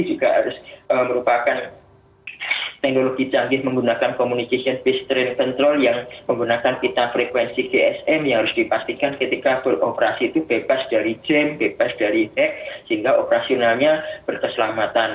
juga harus merupakan teknologi canggih menggunakan communication based train control yang menggunakan pita frekuensi gsm yang harus dipastikan ketika beroperasi itu bebas dari jem bebas dari hek sehingga operasionalnya berkeselamatan